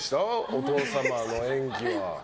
お父様の演技は。